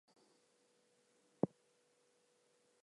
They don’t have a good understanding of social norms and boundaries.